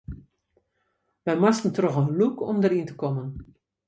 Wy moasten troch in lûk om deryn te kommen.